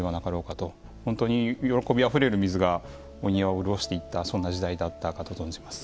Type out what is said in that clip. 本当に喜びあふれる水がお庭を潤していったそんな時代だったかと存じます。